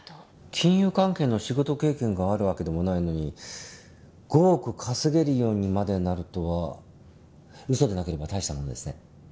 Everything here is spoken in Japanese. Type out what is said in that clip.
金融関係の仕事経験があるわけでもないのに５億稼げるようにまでなるとは嘘でなければ大したものですね。